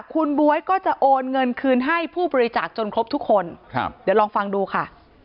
คุณบ๊วยก็จะโอนเงินคืนให้ผู้บริจาคจนครบทุกคนครับเดี๋ยวลองฟังดูค่ะ